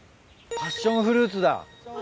パッションフルーツ。